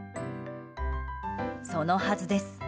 そのはずです。